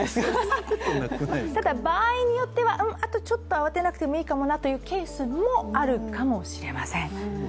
ただ場合によっては、あとちょっと慌てなくてもいいかなというケースもあるかもしれません。